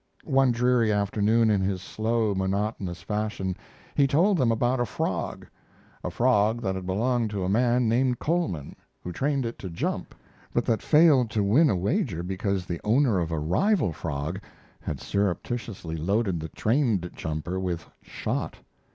One dreary afternoon, in his slow, monotonous fashion, he told them about a frog a frog that had belonged to a man named Coleman, who trained it to jump, but that failed to win a wager because the owner of a rival frog had surreptitiously loaded the trained jumper with shot.